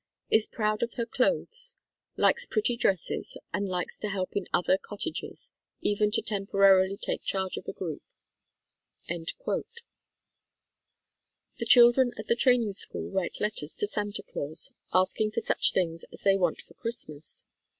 Is proud of her clothes. Likes pretty dresses and likes to help in other cot tages, even to temporarily taking charge of a group." The children at the Training School write letters to Santa Claus asking for such things as they want for Christmas.